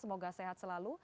semoga sehat selalu